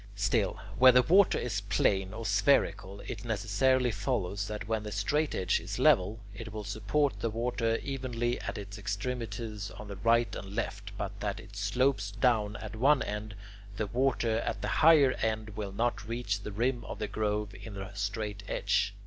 Still, whether water is plane or spherical, it necessarily follows that when the straightedge is level, it will support the water evenly at its extremities on the right and left, but that if it slopes down at one end, the water at the higher end will not reach the rim of the groove in the straightedge.